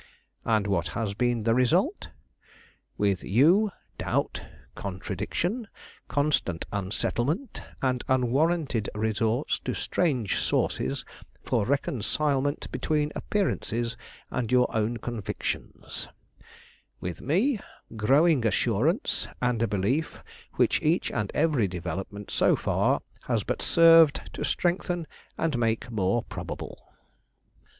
And what has been the result? With you, doubt, contradiction, constant unsettlement, and unwarranted resorts to strange sources for reconcilement between appearances and your own convictions; with me, growing assurance, and a belief which each and every development so far has but served to strengthen and make more probable."